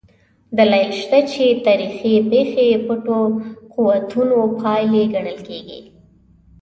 دلایل شته چې تاریخي پېښې پټو قوتونو پایلې ګڼل کېږي.